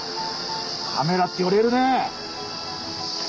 カメラって寄れるねえ。